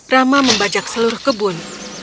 rama membajak seluruh kebun